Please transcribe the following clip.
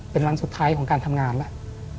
เป็นวันสุดท้ายของการทำงานแล้ว